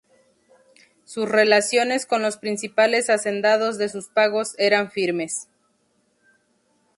Sus relaciones con los principales hacendados de sus pagos eran firmes.